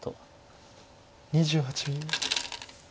２８秒。